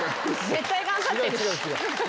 絶対頑張ってるし。